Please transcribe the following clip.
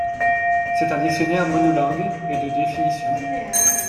C'est un dictionnaire monolingue et de définitions.